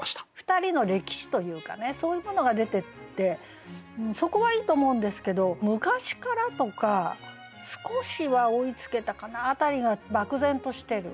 ２人の歴史というかねそういうものが出ててそこはいいと思うんですけど「昔から」とか「少しは追いつけたかな」辺りが漠然としてる。